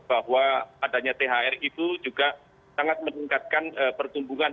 bahwa adanya thr itu juga sangat meningkatkan pertumbuhan